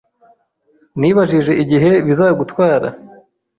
Nibajije igihe bizagutwara.